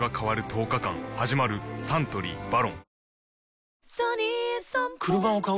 サントリー「ＶＡＲＯＮ」